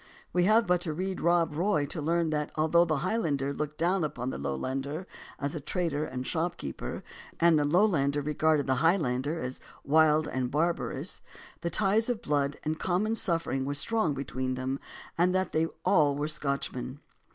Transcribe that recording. We have but to read Rob Roy to learn that although the Highlander looked down upon the Lowlander as a trader and shopkeeper, and the Lowlander regarded the Highlander as wild and barbarous, the ties of blood and common suffering were strong between them and that they were all Scotchmen.